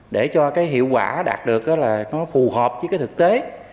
để cho cái hiệu quả đạt được là nó phù hợp với cái thực tế